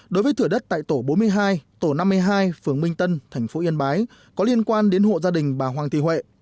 đối với thửa đất tại tổ bốn mươi hai tổ năm mươi hai phường minh tân thành phố yên bái có liên quan đến hộ gia đình bà hoàng thị huệ